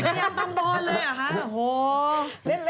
พยายามต้องบอดเลยเหรอฮะโอ้โฮ